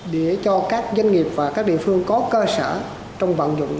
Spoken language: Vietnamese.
để cho các doanh nghiệp và các địa phương có cơ sở trong vận dụng